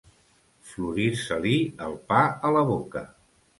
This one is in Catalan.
Florir-se-li el pa a la boca.